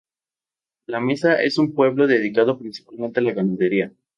La Mesa es un pueblo dedicado principalmente a la ganadería.